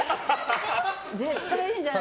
絶対いいじゃん！